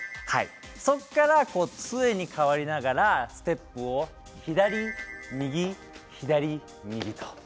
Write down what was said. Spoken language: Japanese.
そこから、つえに変わりながらステップを左、右、左、右。